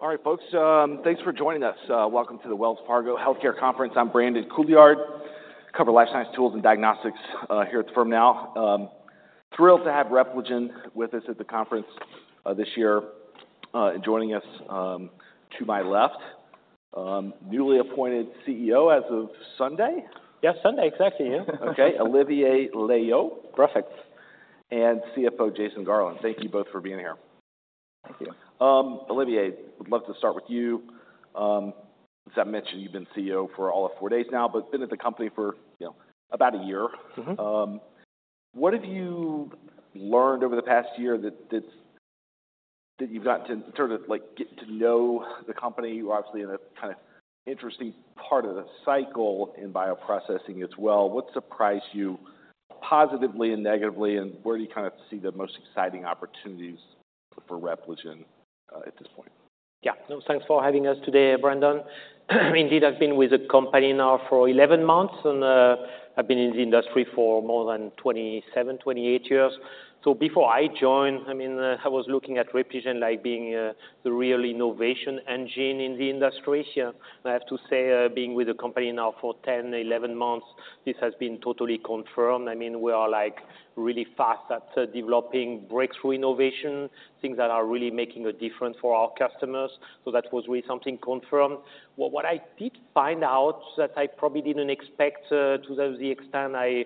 All right, folks, thanks for joining us. Welcome to the Wells Fargo Healthcare Conference. I'm Brandon Couillard, cover life science tools and diagnostics, here at the firm now. Thrilled to have Repligen with us at the conference, this year. Joining us, to my left, newly appointed CEO as of Sunday? Yes, Sunday, exactly. Yeah. Okay. Olivier Loeillot. Perfect - and CFO Jason Garland. Thank you both for being here. Thank you. Olivier, would love to start with you. As I mentioned, you've been CEO for all of four days now, but been at the company for, you know, about a year. Mm-hmm. What did you learn over the past year that you've gotten to sort of, like, get to know the company? You are obviously in a kind of interesting part of the cycle in bioprocessing as well. What surprised you positively and negatively, and where do you kind of see the most exciting opportunities for Repligen at this point? Yeah. No, thanks for having us today, Brandon. Indeed, I've been with the company now for 11 months, and I've been in the industry for more than 27, 28 years. So before I joined, I mean, I was looking at Repligen like being the real innovation engine in the industry. Yeah, and I have to say, being with the company now for 10, 11 months, this has been totally confirmed. I mean, we are, like, really fast at developing breakthrough innovation, things that are really making a difference for our customers. So that was really something confirmed. What I did find out that I probably didn't expect to the extent I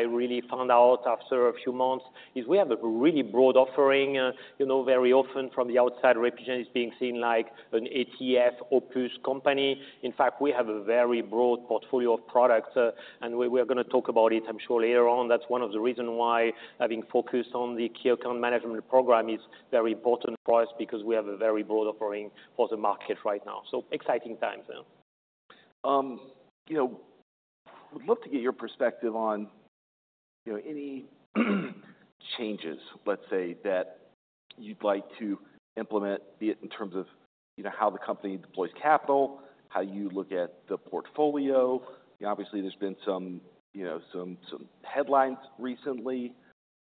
really found out after a few months is we have a really broad offering. You know, very often from the outside, Repligen is being seen like an ATF Opus company. In fact, we have a very broad portfolio of products, and we're gonna talk about it, I'm sure, later on. That's one of the reasons why having focused on the key account management program is very important for us, because we have a very broad offering for the market right now, so exciting times now. You know, would love to get your perspective on, you know, any changes, let's say, that you'd like to implement, be it in terms of, you know, how the company deploys capital, how you look at the portfolio. Obviously, there's been some, you know, headlines recently.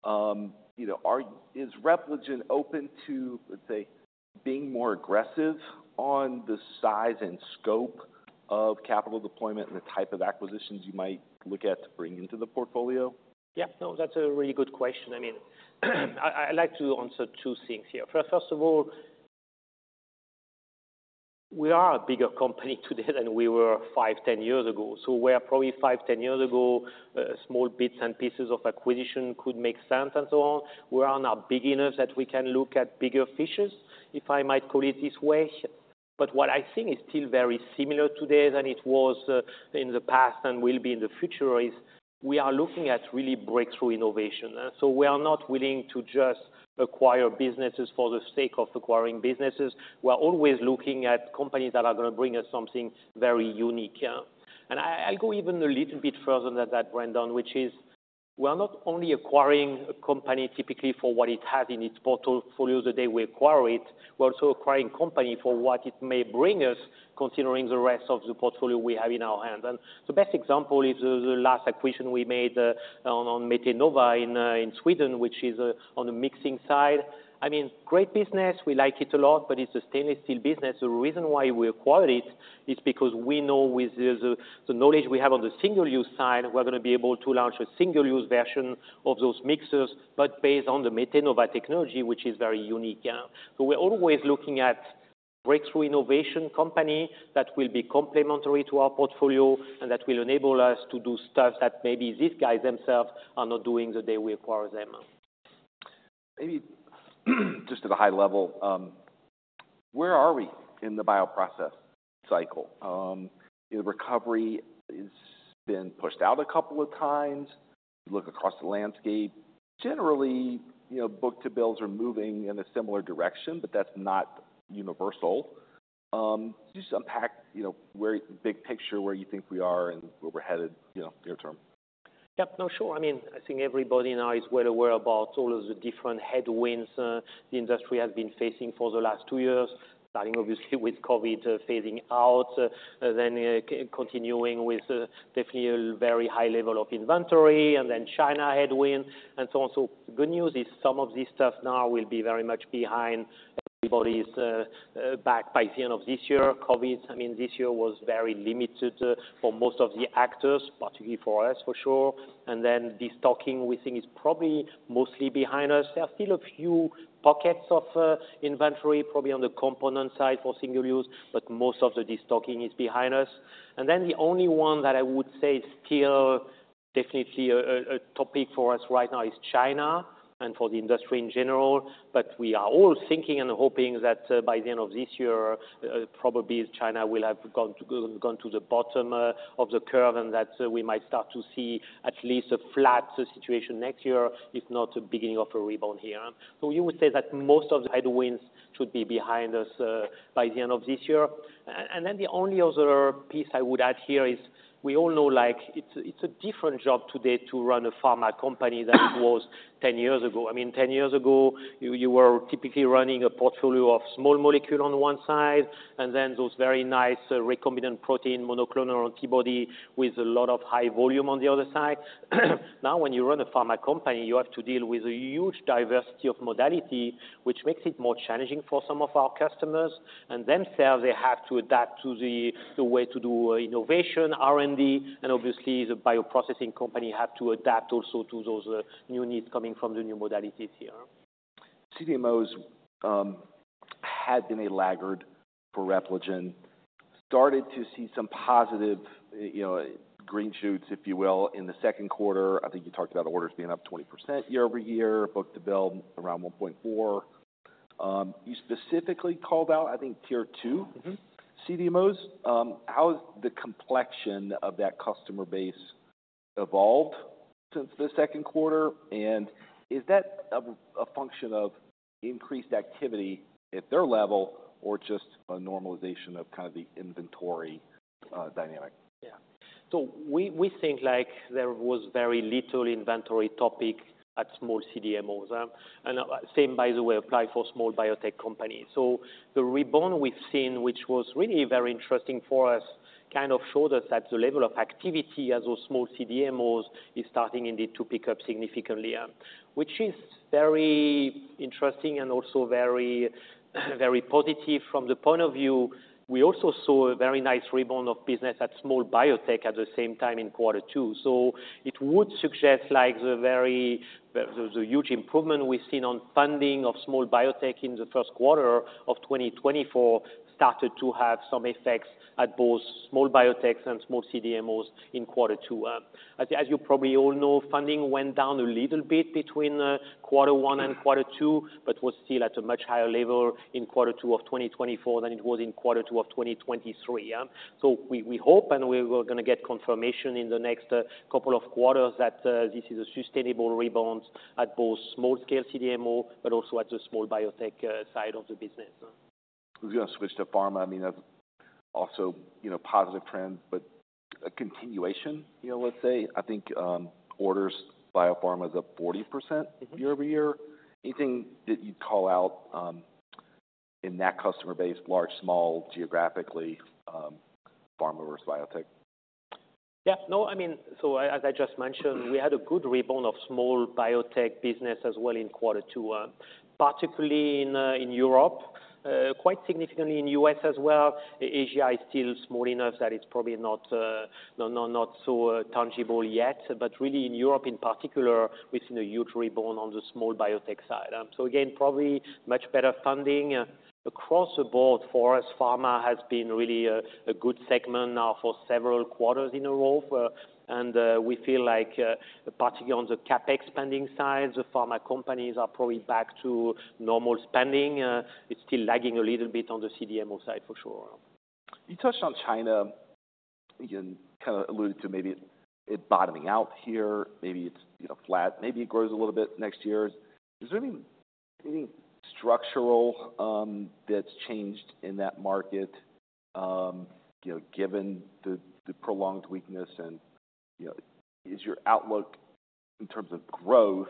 You know, is Repligen open to, let's say, being more aggressive on the size and scope of capital deployment and the type of acquisitions you might look at to bring into the portfolio? Yeah. No, that's a really good question. I mean, I'd like to answer two things here. First of all, we are a bigger company today than we were five,10 years ago. So where probably five, 10 years ago, small bits and pieces of acquisition could make sense and so on, we are now big enough that we can look at bigger fishes, if I might call it this way. But what I think is still very similar today than it was in the past and will be in the future, is we are looking at really breakthrough innovation. So we are not willing to just acquire businesses for the sake of acquiring businesses. We are always looking at companies that are gonna bring us something very unique. Yeah. I'll go even a little bit further than that, Brandon, which is, we are not only acquiring a company typically for what it has in its portfolio the day we acquire it, we're also acquiring company for what it may bring us, considering the rest of the portfolio we have in our hand. The best example is the last acquisition we made, on Metenova in Sweden, which is on the mixing side. I mean, great business. We like it a lot, but it's a stainless steel business. The reason why we acquired it is because we know with the knowledge we have on the single-use side, we're gonna be able to launch a single-use version of those mixers, but based on the Metenova technology, which is very unique. Yeah. So we're always looking at breakthrough innovation company that will be complementary to our portfolio and that will enable us to do stuff that maybe these guys themselves are not doing the day we acquire them. Maybe just at a high level, where are we in the bioprocess cycle? The recovery has been pushed out a couple of times. You look across the landscape, generally, you know, book-to-bills are moving in a similar direction, but that's not universal. Just unpack, you know, where, big picture, where you think we are and where we're headed, you know, near term. Yep. No, sure. I mean, I think everybody now is well aware about all of the different headwinds, the industry has been facing for the last two years. Starting obviously with COVID fading out, then continuing with definitely a very high level of inventory and then China headwind and so on. So the good news is some of this stuff now will be very much behind everybody's back by the end of this year. COVID, I mean, this year was very limited for most of the actors, particularly for us, for sure. And then destocking, we think, is probably mostly behind us. There are still a few pockets of inventory, probably on the component side for single use, but most of the destocking is behind us. And then the only one that I would say is still definitely a topic for us right now is China and for the industry in general. But we are all thinking and hoping that by the end of this year, probably China will have gone to the bottom of the curve, and that we might start to see at least a flat situation next year, if not the beginning of a rebound here. So you would say that most of the headwinds should be behind us by the end of this year. And then the only other piece I would add here is we all know, like, it's a different job today to run a pharma company than it was ten years ago. I mean, 10 years ago, you were typically running a portfolio of small molecule on one side, and then those very nice recombinant protein, monoclonal antibody, with a lot of high volume on the other side. Now, when you run a pharma company, you have to deal with a huge diversity of modality, which makes it more challenging for some of our customers, and themselves, they have to adapt to the way to do innovation, R&D, and obviously, the bioprocessing company have to adapt also to those new needs coming from the new modalities here. CDMOs had been a laggard for Repligen. Started to see some positive, you know, green shoots, if you will, in the second quarter. I think you talked about orders being up 20% year-over- year, book-to-bill around 1.4. You specifically called out, I think, tier two- Mm-hmm. CDMOs. How has the complexion of that customer base evolved since the second quarter? And is that a function of increased activity at their level or just a normalization of kind of the inventory dynamic? Yeah. So we think like there was very little inventory buildup at small CDMOs, and the same, by the way, applies for small biotech companies. So the rebound we've seen, which was really very interesting for us, kind of showed us that the level of activity at those small CDMOs is starting indeed to pick up significantly, which is very interesting and also very, very positive from the point of view. We also saw a very nice rebound of business at small biotech at the same time in quarter two. So it would suggest, like, the huge improvement we've seen on funding of small biotech in the first quarter of 2024 started to have some effects at both small biotechs and small CDMOs in quarter two. As you probably all know, funding went down a little bit between quarter one and quarter two, but was still at a much higher level in quarter two of 2024 than it was in quarter two of 2023, yeah? So we hope, and we're gonna get confirmation in the next couple of quarters, that this is a sustainable rebound at both small-scale CDMO, but also at the small biotech side of the business. We're gonna switch to pharma. I mean, also, you know, positive trend, but a continuation, you know, let's say. I think, orders biopharma is up 40%. Mm-hmm. -year-over-year. Anything that you'd call out, in that customer base, large, small, geographically, pharma versus biotech? Yeah. No, I mean, so as I just mentioned- Mm-hmm. We had a good rebound of small biotech business as well in quarter two, particularly in Europe, quite significantly in US as well. Asia is still small enough that it's probably not so tangible yet, but really in Europe in particular, we've seen a huge rebound on the small biotech side, so again, probably much better funding across the board. For us, pharma has been really a good segment now for several quarters in a row, and we feel like, particularly on the CapEx spending side, the pharma companies are probably back to normal spending. It's still lagging a little bit on the CDMO side, for sure. You touched on China. You kind of alluded to maybe it bottoming out here. Maybe it's, you know, flat. Maybe it grows a little bit next year. Is there any structural that's changed in that market, you know, given the prolonged weakness and, you know. Is your outlook in terms of growth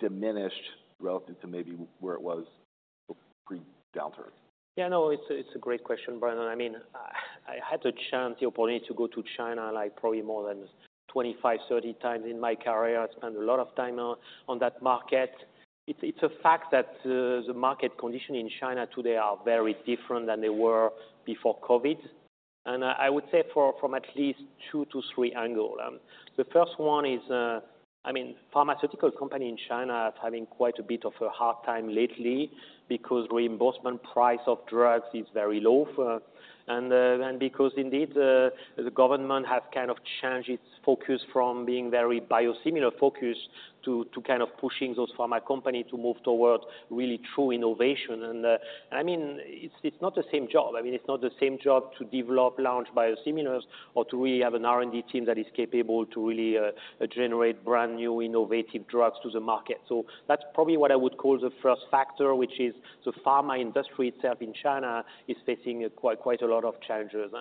diminished relative to maybe where it was pre-downturn? Yeah, no, it's a great question, Brandon. I mean, I had the chance, the opportunity to go to China, like, probably more than 25, 30 times in my career. I spent a lot of time on that market. It's a fact that the market condition in China today are very different than they were before COVID, and I would say from at least two to three angle. The first one is, I mean, pharmaceutical company in China are having quite a bit of a hard time lately because reimbursement price of drugs is very low for.. And, and because indeed, the government has kind of changed its focus from being very biosimilar focused to kind of pushing those pharma company to move towards really true innovation. And, I mean, it's not the same job. I mean, it's not the same job to develop large biosimilars or to really have an R&D team that is capable to really generate brand-new innovative drugs to the market, so that's probably what I would call the first factor, which is the pharma industry itself in China is facing a quite a lot of challenges.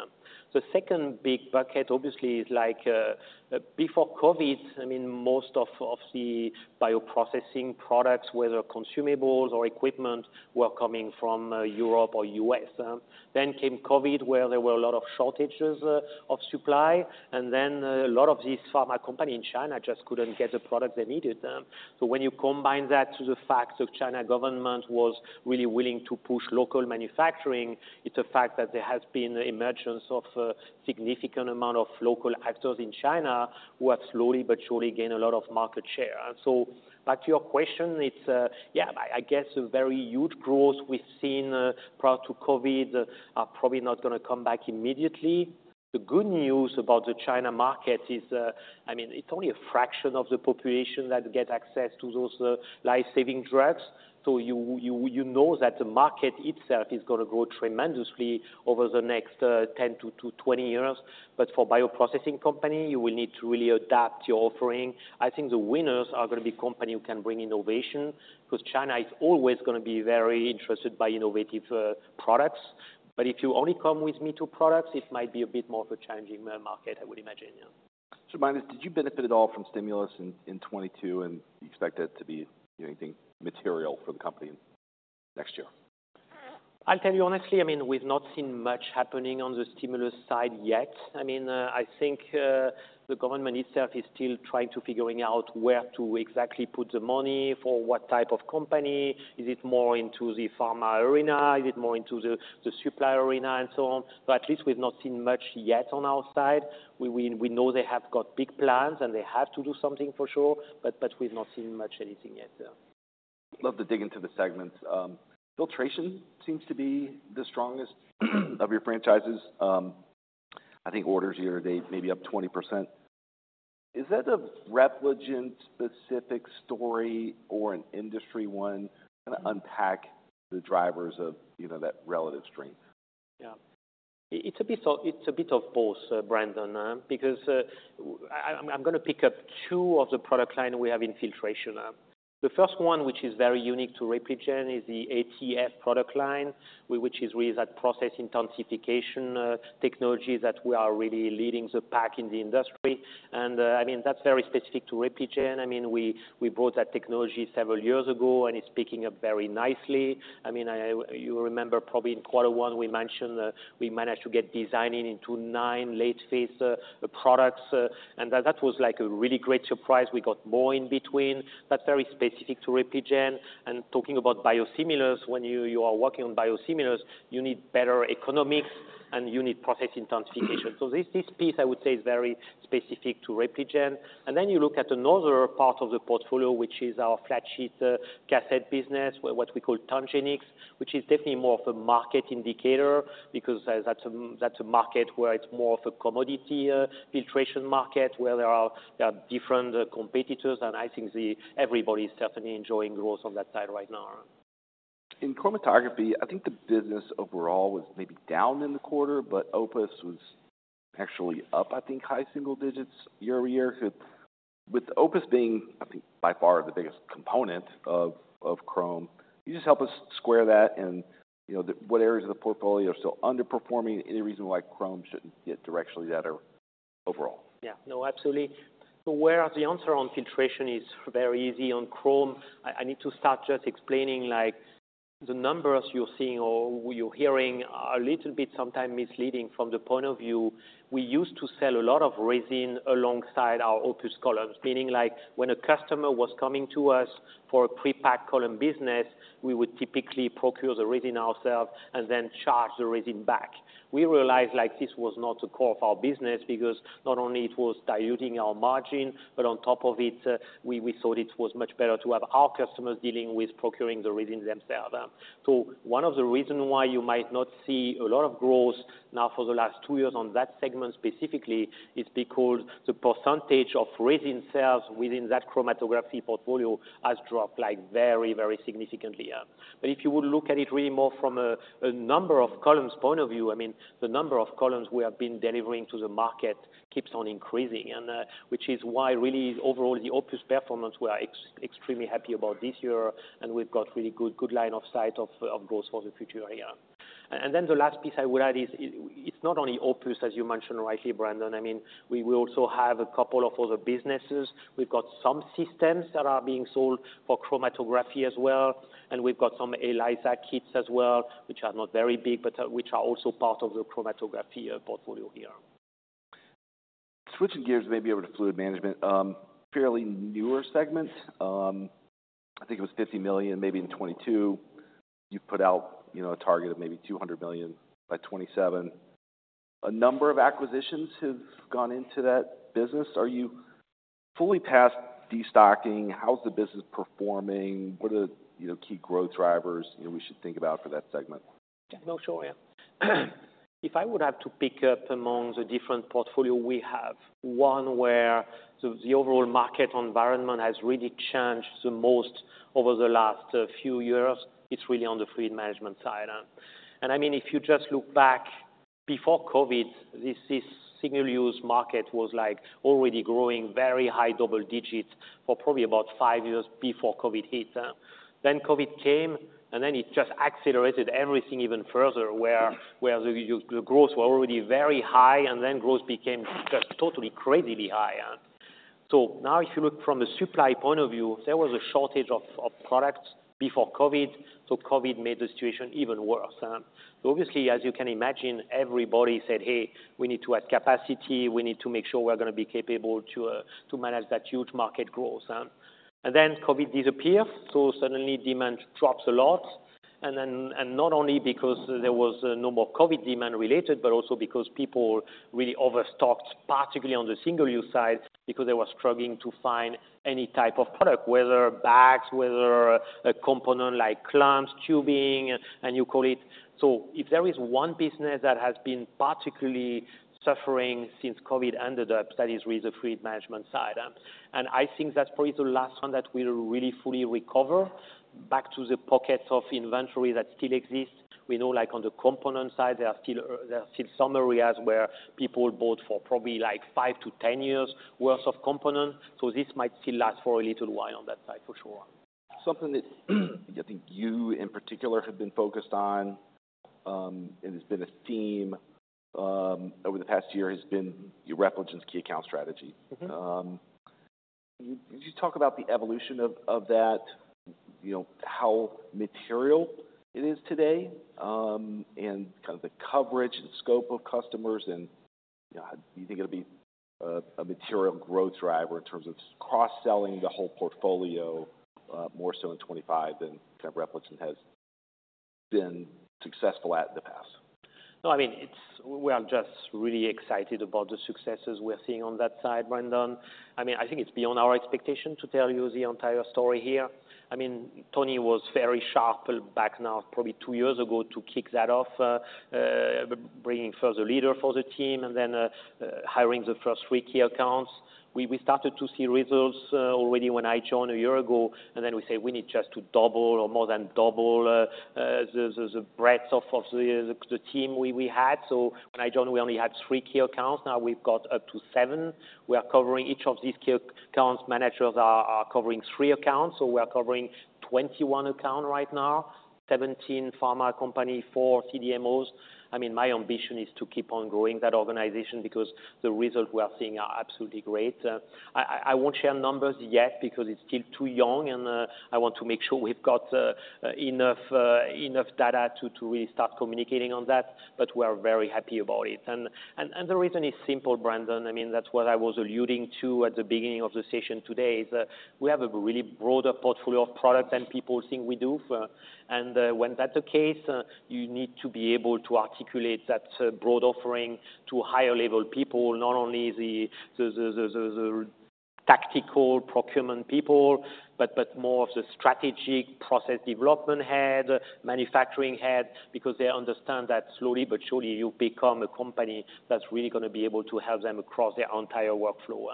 The second big bucket obviously is like before COVID, I mean, most of the bioprocessing products, whether consumables or equipment, were coming from Europe or US, then came COVID, where there were a lot of shortages of supply, and then a lot of these pharma company in China just couldn't get the product they needed. When you combine that with the fact the Chinese government was really willing to push local manufacturing, it's a fact that there has been an emergence of a significant amount of local actors in China who have slowly but surely gained a lot of market share. Back to your question, it's yeah, I, I guess a very huge growth we've seen prior to COVID are probably not gonna come back immediately. The good news about the China market is, I mean, it's only a fraction of the population that get access to those life-saving drugs. You know that the market itself is gonna grow tremendously over the next 10-20 years. But for bioprocessing company, you will need to really adapt your offering. I think the winners are gonna be company who can bring innovation, because China is always gonna be very interested by innovative products. But if you only come with me-too products, it might be a bit more of a challenging market, I would imagine, yeah. So mainly, did you benefit at all from stimulus in 2022, and do you expect that to be anything material for the company next year? I'll tell you honestly, I mean, we've not seen much happening on the stimulus side yet. I mean, I think, the government itself is still trying to figuring out where to exactly put the money, for what type of company. Is it more into the pharma arena? Is it more into the supply arena, and so on? But at least we've not seen much yet on our side. We know they have got big plans, and they have to do something for sure, but we've not seen much anything yet. Love to dig into the segments. Filtration seems to be the strongest of your franchises. I think orders year-to-date may be up 20%. Is that a Repligen-specific story or an industry one? Kind of unpack the drivers of, you know, that relative strength. Yeah. It's a bit of both, Brandon, because I'm gonna pick up two of the product line we have in filtration. The first one, which is very unique to Repligen, is the ATF product line, which is really that process intensification technology that we are really leading the pack in the industry. And I mean, that's very specific to Repligen. I mean, we bought that technology several years ago, and it's picking up very nicely. I mean, you remember probably in quarter one, we mentioned that we managed to get design wins into nine late-phase products, and that was like a really great surprise. We got more in between. That's very specific to Repligen. Talking about biosimilars, when you are working on biosimilars, you need better economics, and you need process intensification. So this piece, I would say, is very specific to Repligen. Then you look at another part of the portfolio, which is our flat sheet cassette business, where what we call TangenX, which is definitely more of a market indicator because that's a market where it's more of a commodity filtration market, where there are different competitors. I think everybody's certainly enjoying growth on that side right now. In chromatography, I think the business overall was maybe down in the quarter, but Opus was actually up, I think, high single digits year-over-year. So with Opus being, I think by far the biggest component of chrom, can you just help us square that? And, you know, what areas of the portfolio are still underperforming? Any reason why chrom shouldn't get directionally better overall? Yeah. No, absolutely. So where the answer on filtration is very easy, on chromatography, I need to start just explaining like the numbers you're seeing or you're hearing are a little bit sometimes misleading from the point of view. We used to sell a lot of resin alongside our Opus columns, meaning like, when a customer was coming to us for a prepacked column business, we would typically procure the resin ourselves and then charge the resin back. We realized, like, this was not the core of our business, because not only it was diluting our margin, but on top of it, we thought it was much better to have our customers dealing with procuring the resin themselves. So one of the reasons why you might not see a lot of growth now for the last two years on that segment specifically is because the percentage of resin sales within that chromatography portfolio has dropped, like, very, very significantly. But if you would look at it really more from a number of columns point of view, I mean, the number of columns we have been delivering to the market keeps on increasing. And which is why really overall, the Opus performance, we are extremely happy about this year, and we've got really good line of sight of growth for the future here. And then the last piece I would add is, it's not only Opus, as you mentioned rightly, Brandon. I mean, we will also have a couple of other businesses. We've got some systems that are being sold for chromatography as well, and we've got some ELISA kits as well, which are not very big, but which are also part of the chromatography portfolio here. Switching gears, maybe over to fluid management. Fairly newer segment. I think it was $50 million, maybe in 2022. You've put out, you know, a target of maybe $200 million by 2027. A number of acquisitions have gone into that business. Are you fully past destocking? How's the business performing? What are the, you know, key growth drivers, you know, we should think about for that segment? Yeah, no, sure, yeah. If I would have to pick up among the different portfolio, we have one where the overall market environment has really changed the most over the last few years. It's really on the fluid management side. And I mean, if you just look back before COVID, this single-use market was, like, already growing very high double digits for probably about five years before COVID hit. Then COVID came, and then it just accelerated everything even further, where the growth were already very high, and then growth became just totally, crazily high, yeah. So now, if you look from a supply point of view, there was a shortage of products before COVID, so COVID made the situation even worse. So obviously, as you can imagine, everybody said, "Hey, we need to add capacity. We need to make sure we're gonna be capable to manage that huge market growth. And then COVID disappeared, so suddenly demand drops a lot. And not only because there was no more COVID demand related, but also because people really overstocked, particularly on the single-use side, because they were struggling to find any type of product, whether bags, whether a component like clamps, tubing, and you call it. So if there is one business that has been particularly suffering since COVID ended up, that is really the fluid management side. And I think that's probably the last one that will really fully recover back to the pockets of inventory that still exists. We know, like, on the component side, there are still some areas where people bought for probably like five to 10 years worth of components. So this might still last for a little while on that side, for sure. Something that I think you in particular have been focused on, and has been a theme, over the past year, has been your Repligen's key account strategy. Mm-hmm. Could you talk about the evolution of that, you know, how material it is today? And kind of the coverage and scope of customers, and do you think it'll be a material growth driver in terms of cross-selling the whole portfolio, more so in 2025 than kind of Repligen has been successful at in the past? No, I mean, it's. We are just really excited about the successes we're seeing on that side, Brandon. I mean, I think it's beyond our expectation to tell you the entire story here. I mean, Tony was very sharp back now, probably two years ago, to kick that off, bringing further leader for the team and then, hiring the first three key accounts. We started to see results already when I joined a year ago, and then we say we need just to double or more than double, the breadth of the team we had. So when I joined, we only had three key accounts. Now we've got up to seven. We are covering each of these key accounts. Managers are covering three accounts, so we are covering 21 account right now, 17 pharma company, four CDMOs. I mean, my ambition is to keep on growing that organization because the results we are seeing are absolutely great. I won't share numbers yet because it's still too young, and I want to make sure we've got enough data to really start communicating on that, but we are very happy about it, and the reason is simple, Brandon. I mean, that's what I was alluding to at the beginning of the session today, is that we have a really broader portfolio of products than people think we do for. When that's the case, you need to be able to articulate that broad offering to higher level people, not only the tactical procurement people, but more of the strategic process development head, manufacturing head, because they understand that slowly but surely you become a company that's really gonna be able to help them across their entire workflow.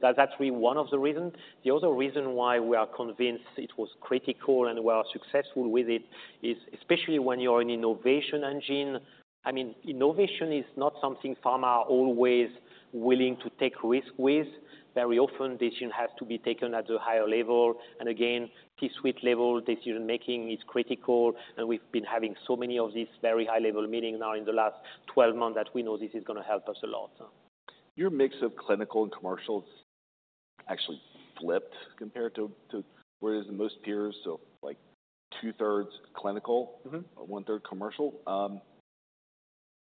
That's actually one of the reasons. The other reason why we are convinced it was critical and we are successful with it is especially when you are an innovation engine. I mean, innovation is not something pharma are always willing to take risk with. Very often, decision has to be taken at a higher level, and again, C-suite level decision-making is critical, and we've been having so many of these very high-level meetings now in the 12 months, that we know this is gonna help us a lot. Your mix of clinical and commercials actually flipped compared to, whereas the most peers, so like two thirds clinical- Mm-hmm. One third commercial.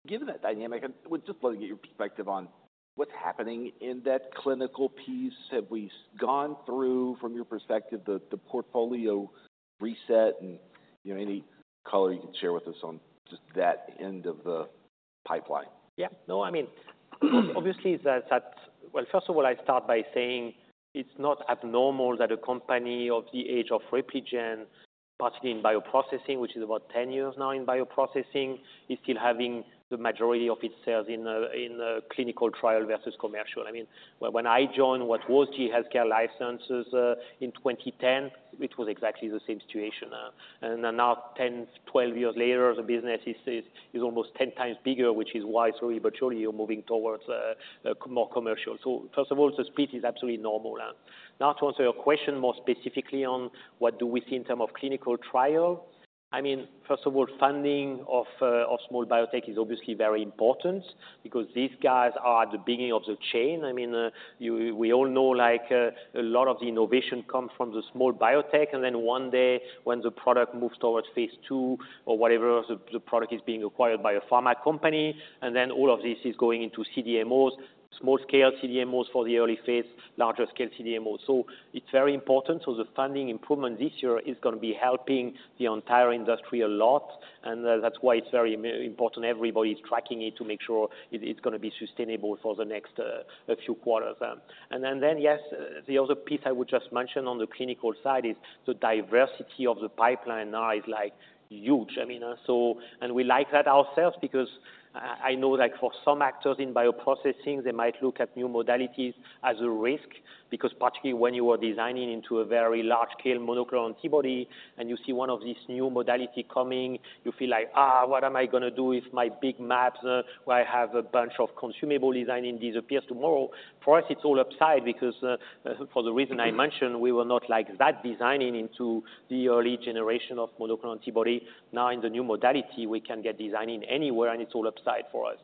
Given that dynamic, I would just love to get your perspective on what's happening in that clinical piece. Have we gone through, from your perspective, the portfolio reset? And, you know, any color you can share with us on just that end of the pipeline? Yeah. No, I mean, obviously, that. Well, first of all, I'd start by saying it's not abnormal that a company of the age of Repligen, particularly in bioprocessing, which is about 10 years now in bioprocessing, is still having the majority of its sales in clinical trial versus commercial. I mean, when I joined what was GE Healthcare Life Sciences in 2010, it was exactly the same situation. And then now, 10, 12 years later, the business is almost 10 times bigger, which is why slowly but surely, you're moving towards more commercial. So first of all, the speed is absolutely normal. Now, to answer your question more specifically on what do we see in terms of clinical trial, I mean, first of all, funding of small biotech is obviously very important because these guys are at the beginning of the chain. I mean, we all know, like, a lot of the innovation comes from the small biotech, and then one day, when the product moves towards phase II or whatever, the product is being acquired by a pharma company, and then all of this is going into CDMOs, small scale CDMOs for the early phase, larger scale CDMOs. So it's very important. So the funding improvement this year is gonna be helping the entire industry a lot, and that's why it's very important. Everybody's tracking it to make sure it's gonna be sustainable for the next few quarters. Yes, the other piece I would just mention on the clinical side is the diversity of the pipeline now is, like, huge. I mean, and we like that ourselves because, I know that for some actors in bioprocessing, they might look at new modalities as a risk because particularly when you are designing into a very large-scale monoclonal antibody and you see one of these new modality coming, you feel like, "Ah, what am I gonna do with my big mAbs, where I have a bunch of consumables designed in that disappears tomorrow?" For us, it's all upside because, for the reason I mentioned, we were not like that designed into the early generation of monoclonal antibody. Now, in the new modality, we can get designing anywhere, and it's all upside for us.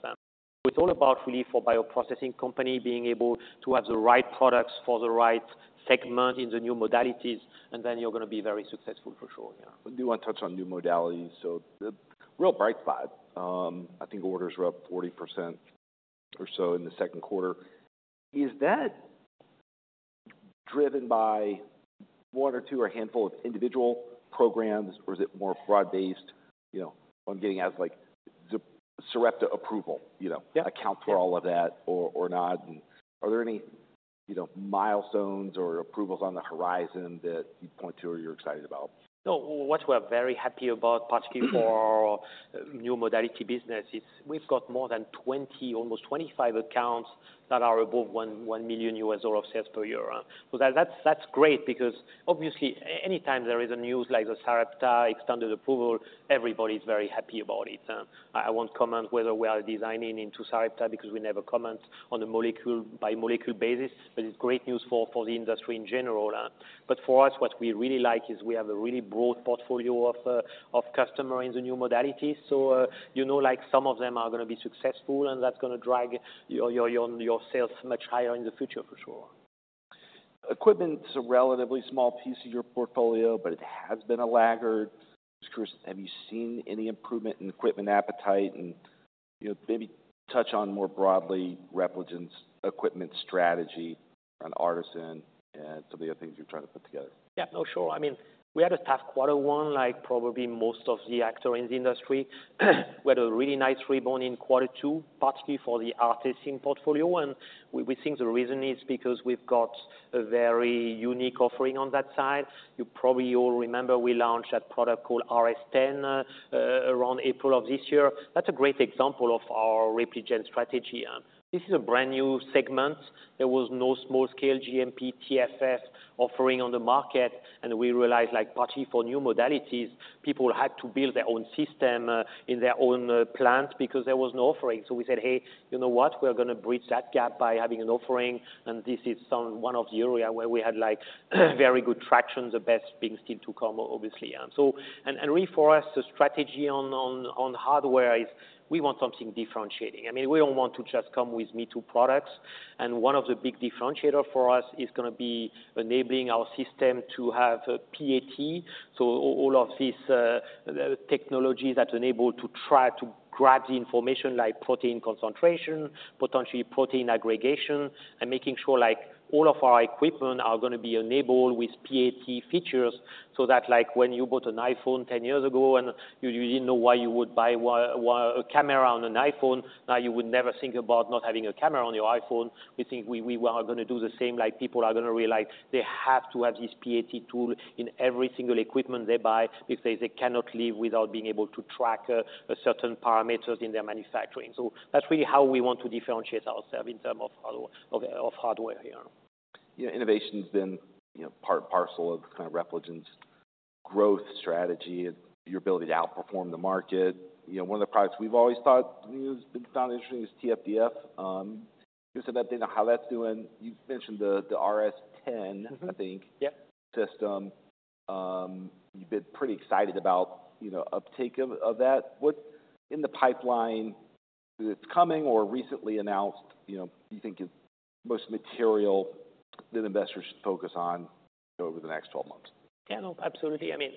It's all about really, for bioprocessing company, being able to have the right products for the right segment in the new modalities, and then you're gonna be very successful for sure, yeah. I do want to touch on new modalities. So the real bright spot, I think orders were up 40% or so in the second quarter. Is that driven by one or two or a handful of individual programs, or is it more broad-based? You know, what I'm getting at is, like, the Sarepta approval, you know- Yeah. Account for all of that or not? And are there any, you know, milestones or approvals on the horizon that you'd point to or you're excited about? No, what we're very happy about, particularly for our new modality business, is we've got more than 20, almost 25 accounts that are above $1 million of sales per year. So that's great because obviously, anytime there is news like the Sarepta extended approval, everybody's very happy about it. I won't comment whether we are designing into Sarepta because we never comment on a molecule-by-molecule basis, but it's great news for the industry in general. But for us, what we really like is we have a really broad portfolio of customer in the new modalities. So, you know, like some of them are gonna be successful, and that's gonna drive your sales much higher in the future, for sure. Equipment's a relatively small piece of your portfolio, but it has been a laggard. Just curious, have you seen any improvement in equipment appetite, and you know, maybe touch on more broadly, Repligen's equipment strategy and ARTeSYN and some of the things you're trying to put together. Yeah, no, sure. I mean, we had a tough quarter one, like probably most of the actors in the industry. We had a really nice rebound in quarter two, partly for the ARTeSYN portfolio, and we think the reason is because we've got a very unique offering on that side. You probably all remember we launched a product called RS10 around April of this year. That's a great example of our Repligen strategy. This is a brand new segment. There was no small-scale GMP TFF offering on the market, and we realized, like, partly for new modalities, people had to build their own system in their own plant because there was no offering. So we said, "Hey, you know what? We're gonna bridge that gap by having an offering, and this is some one of the areas where we had, like, very good traction, the best being still to come, obviously. And, and really for us, the strategy on hardware is we want something differentiating. I mean, we don't want to just come with me-too products, and one of the big differentiator for us is gonna be enabling our system to have PAT. So all of these technologies that enable to try to grab the information, like protein concentration, potentially protein aggregation, and making sure, like, all of our equipment are gonna be enabled with PAT features. So that, like, when you bought an iPhone ten years ago and you, you didn't know why you would buy a camera on an iPhone, now you would never think about not having a camera on your iPhone. We think we, we are gonna do the same, like, people are gonna realize they have to have this PAT tool in every single equipment they buy, because they cannot live without being able to track certain parameters in their manufacturing. So that's really how we want to differentiate ourselves in terms of hardware, yeah. Yeah, innovation's been, you know, part and parcel of kind of Repligen's growth strategy and your ability to outperform the market. You know, one of the products we've always thought, you know, has been found interesting is TFDF. You said that, you know, how that's doing. You've mentioned the RS10 Mm-hmm. I think. Yeah system. You've been pretty excited about, you know, uptake of that. What, in the pipeline, that's coming or recently announced, you know, you think is most material that investors should focus on over the next 12 months? Yeah, no, absolutely. I mean,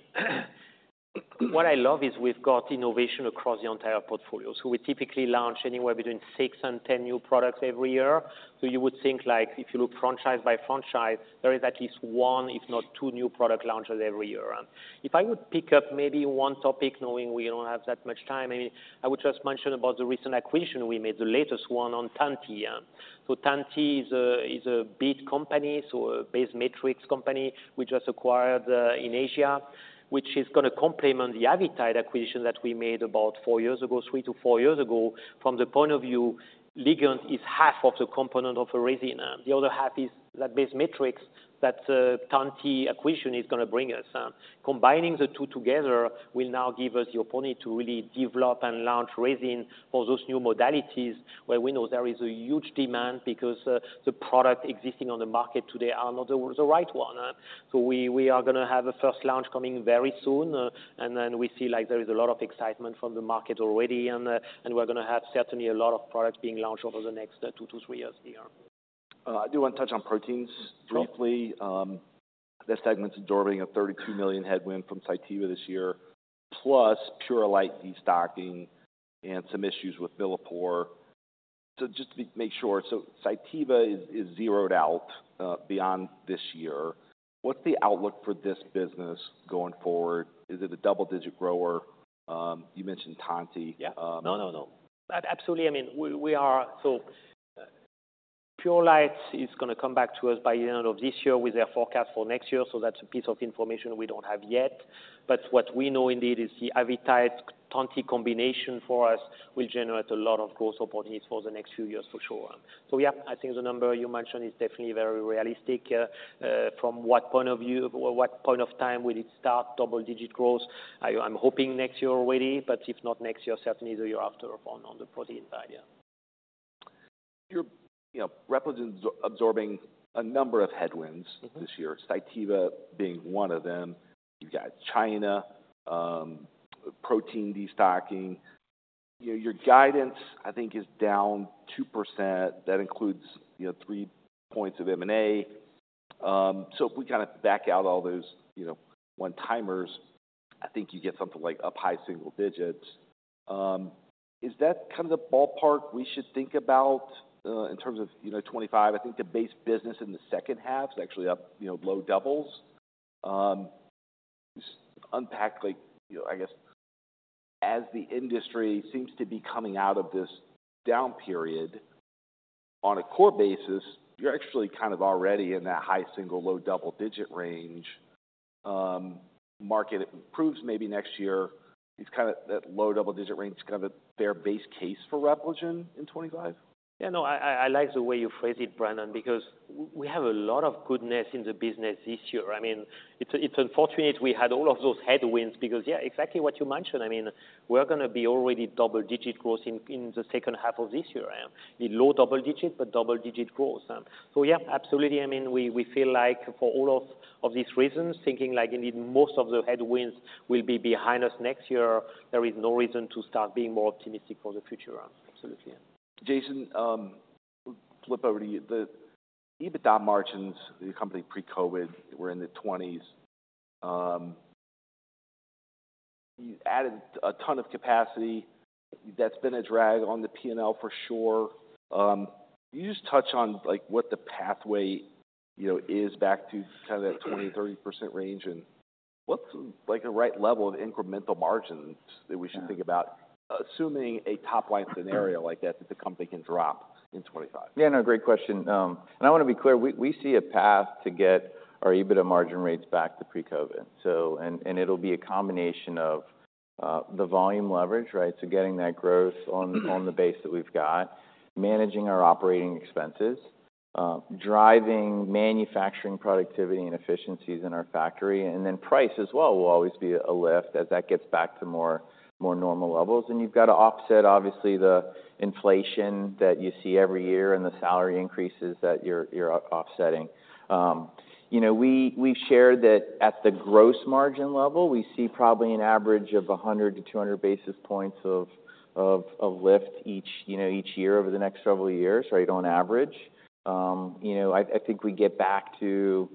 what I love is we've got innovation across the entire portfolio. So we typically launch anywhere between six and 10 new products every year. So you would think, like, if you look franchise by franchise, there is at least one, if not two, new product launches every year. If I would pick up maybe one topic, knowing we don't have that much time, maybe I would just mention about the recent acquisition we made, the latest one on Tantti, yeah. So Tantti is a big company, so a Taiwanese company, we just acquired in Asia, which is gonna complement the Avitide acquisition that we made about four years ago, three to four years ago. From the point of view, ligand is half of the component of a resin. The other half is that base metrics that Tantti acquisition is gonna bring us. Combining the two together will now give us the opportunity to really develop and launch resin for those new modalities, where we know there is a huge demand because the product existing on the market today are not the right one. So we are gonna have a first launch coming very soon, and then we see, like, there is a lot of excitement from the market already, and we're gonna have certainly a lot of products being launched over the next two to three years here. I do want to touch on proteins briefly. Sure. That segment's absorbing a $32 million headwind from Cytiva this year, plus Purolite destocking and some issues with Millipore. Just to make sure, Cytiva is zeroed out beyond this year. What's the outlook for this business going forward? Is it a double-digit grower? You mentioned Tantti. Yeah. Um- Absolutely, I mean, we are. So Purolite is gonna come back to us by the end of this year with their forecast for next year, so that's a piece of information we don't have yet. But what we know indeed is the Avitide-Tantti combination for us will generate a lot of growth opportunities for the next few years, for sure. So yeah, I think the number you mentioned is definitely very realistic. From what point of view or what point of time will it start double digit growth? I'm hoping next year already, but if not next year, certainly the year after on the protein side, yeah. You're, you know, Repligen is absorbing a number of headwinds. Mm-hmm. This year, Cytiva being one of them. You've got China, protein destocking. You know, your guidance, I think, is down 2%. That includes, you know, three points of M&A. So if we kind of back out all those, you know, one-timers, I think you get something like up high single digits. Is that kind of the ballpark we should think about, in terms of, you know, 2025? I think the base business in the second half is actually up, you know, low doubles. Just unpack, like, you know, I guess, as the industry seems to be coming out of this down period, on a core basis, you're actually kind of already in that high single, low double-digit range. Market improves maybe next year. It's kind of that low double-digit range is kind of a fair base case for Repligen in 2025? Yeah, no, I like the way you phrase it, Brandon, because we have a lot of goodness in the business this year. I mean, it's unfortunate we had all of those headwinds because, yeah, exactly what you mentioned. I mean, we're gonna be already double digit growth in the second half of this year, in low double digits, but double digit growth. So yeah, absolutely. I mean, we feel like for all of these reasons, thinking like indeed most of the headwinds will be behind us next year, there is no reason to start being more optimistic for the future. Absolutely. Jason, flip over to you. The EBITDA margins, the company pre-COVID were in the twenties. You've added a ton of capacity. That's been a drag on the P&L for sure. Can you just touch on, like, what the pathway, you know, is back to kind of that 20%-30% range? And what's, like, a right level of incremental margins that we should think about, assuming a top-line scenario like that, that the company can drop in 2025? Yeah, no, great question. And I want to be clear, we see a path to get our EBITDA margin rates back to pre-COVID. And it'll be a combination of the volume leverage, right? So getting that growth on the base that we've got, managing our operating expenses, driving manufacturing productivity and efficiencies in our factory, and then price as well will always be a lift as that gets back to more normal levels. And you've got to offset, obviously, the inflation that you see every year and the salary increases that you're offsetting. You know, we've shared that at the gross margin level, we see probably an average of a 100 -200 basis points of lift each year over the next several years, right, on average. You know, I think we get back to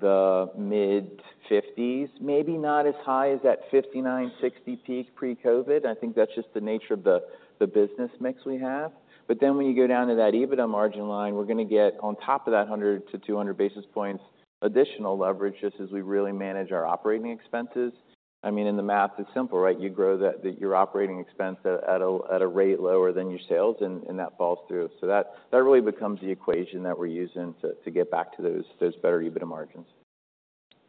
the mid-fifties, maybe not as high as that 59, 60 peak pre-COVID. I think that's just the nature of the business mix we have. But then when you go down to that EBITDA margin line, we're going to get on top of that 100- 200 basis points additional leverage, just as we really manage our operating expenses. I mean, in the math, it's simple, right? You grow your operating expense at a rate lower than your sales, and that falls through. So that really becomes the equation that we're using to get back to those better EBITDA margins.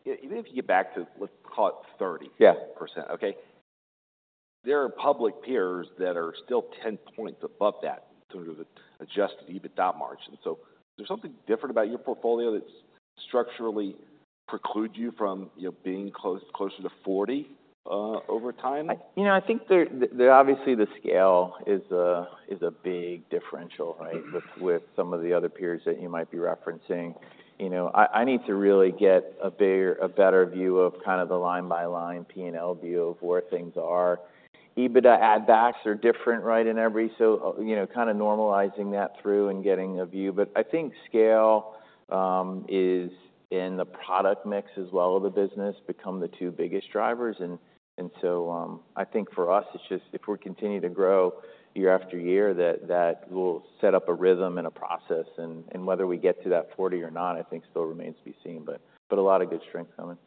Yeah, even if you get back to, let's call it 30% Yeah Okay? There are public peers that are still 10 points above that sort of adjusted EBITDA margin. So is there something different about your portfolio that structurally precludes you from, you know, being closer to 40% over time? You know, I think, obviously, the scale is a big differential, right? With some of the other peers that you might be referencing. You know, I need to really get a bigger, a better view of kind of the line-by-line P&L view of where things are. EBITDA add-backs are different, right, in every, so you know, kind of normalizing that through and getting a view, but I think scale is in the product mix as well of the business become the two biggest drivers, and so I think for us, it's just if we continue to grow year-after-year, that will set up a rhythm and a process, and whether we get to that forty or not, I think still remains to be seen, but a lot of good strength coming.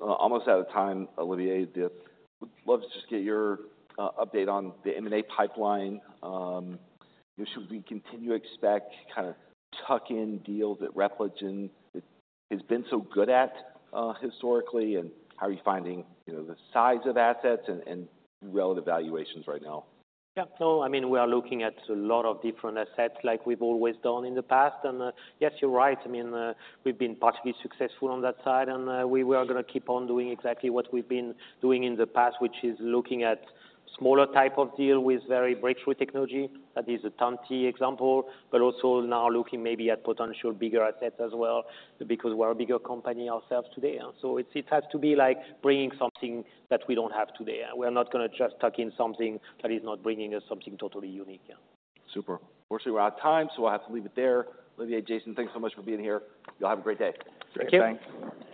Almost out of time, Olivier, just would love to just get your update on the M&A pipeline. Should we continue to expect kind of tuck-in deals at Repligen that has been so good at historically? And how are you finding, you know, the size of assets and relative valuations right now? Yeah. So I mean, we are looking at a lot of different assets like we've always done in the past. And, yes, you're right. I mean, we've been particularly successful on that side, and, we were going to keep on doing exactly what we've been doing in the past, which is looking at smaller type of deal with very breakthrough technology. That is a Tantti example, but also now looking maybe at potential bigger assets as well, because we're a bigger company ourselves today. So it, it has to be like bringing something that we don't have today. We're not going to just tuck in something that is not bringing us something totally unique. Yeah. Super. Unfortunately, we're out of time, so I'll have to leave it there. Olivier, Jason, thanks so much for being here. You all have a great day. Thank you. Thanks.